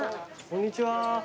こんにちは。